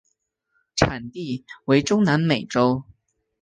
产地为中南美洲。